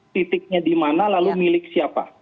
titiknya di mana lalu milik siapa